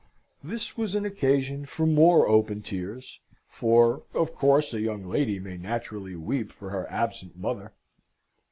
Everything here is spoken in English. This was an occasion for more open tears, for of course a young lady may naturally weep for her absent mother.